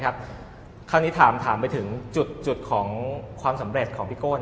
คราวนี้ถามไปถึงจุดของความสำเร็จของพี่โก้